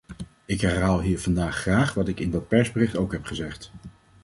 Ik herhaal hier vandaag graag wat ik in dat persbericht ook heb gezegd.